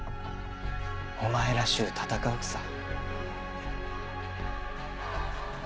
お前らしゅう戦うくさ。